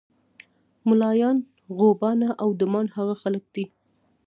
ملایان، غوبانه او ډمان هغه خلک دي.